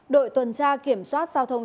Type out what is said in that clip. đội tuần tra kiểm soát giao thông số hai